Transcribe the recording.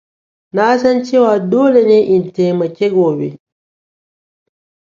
Na san cewa dole ne in taimake ka gobe.